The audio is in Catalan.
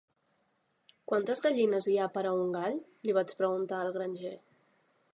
"Quantes gallines hi ha per a un gall?", li vaig preguntar al granger.